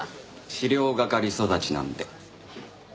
資料係育ちなんで。